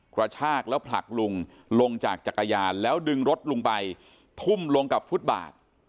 กระชากแล้วผลักลุงลงจากจักรยานแล้วดึงรถลุงไปทุ่มลงกับฟุตบาท